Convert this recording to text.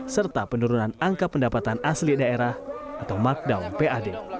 serta penurunan angka pendapatan asli daerah atau markdown pad